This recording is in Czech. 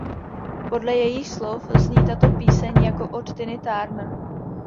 Podle jejích slov zní tato píseň jako od Tiny Turner.